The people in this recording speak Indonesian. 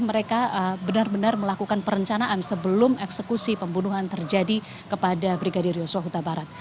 mereka benar benar melakukan perencanaan sebelum eksekusi pembunuhan terjadi kepada brigadir yosua huta barat